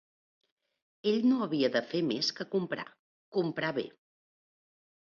Ell no havia de fer més que comprar; «comprar bé»